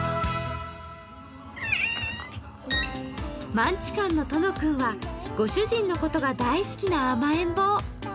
マンチカンのとのくんはご主人のことが大好きな甘えん坊。